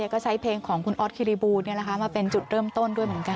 ก็ใช้เพลงของคุณออสคิริบูลมาเป็นจุดเริ่มต้นด้วยเหมือนกัน